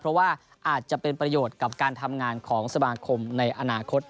เพราะว่าอาจจะเป็นประโยชน์กับการทำงานของสมาคมในอนาคต